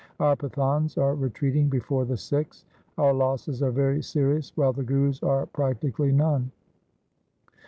Our Pathans are retreating before the Sikhs. Our losses are very serious, while the Guru's are practically none.'